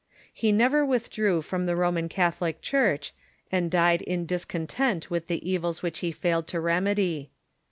He never withdrew from the Roman Catholic Church, and died in discontent with the evils which he failed to rem edy.